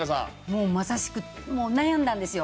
もうまさしく悩んだんですよ。